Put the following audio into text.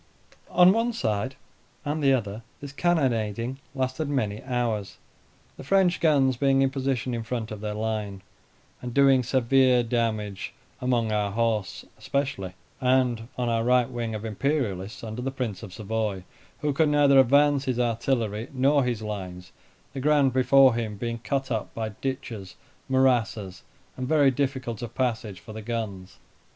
On one side and the other this cannonading lasted many hours. The French guns being in position in front of their line, and doing severe damage among our horse especially, and on our right wing of Imperialists under the Prince of Savoy, who could neither advance his artillery nor his lines, the ground before him being cut up by ditches, morasses, and very difficult of passage for the guns.